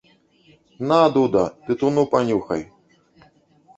На, дуда, тытуну панюхай!